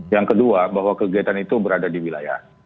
yang kedua bahwa kegiatan itu berada di wilayah